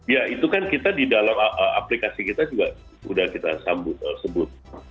ya itu kan kita di dalam aplikasi kita juga sudah kita sebut